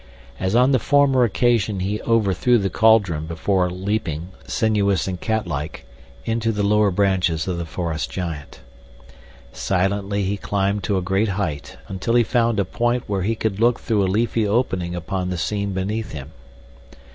As on the former occasion he overthrew the cauldron before leaping, sinuous and catlike, into the lower branches of the forest giant. Silently he climbed to a great height until he found a point where he could look through a leafy opening upon the scene beneath him.